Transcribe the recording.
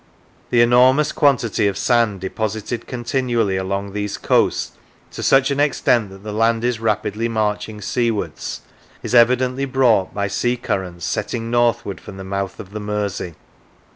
The enormous quantity of sand deposited continually along these coasts, to such an extent that the land is rapidly marching seawards, is evidently brought by sea currents setting northward from the mouth of the Mersey.